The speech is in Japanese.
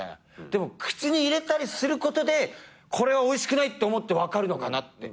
でも口に入れたりすることでこれはおいしくないって思って分かるのかなって。